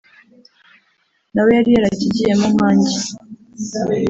nawe yari yarakigiyemo nkanjye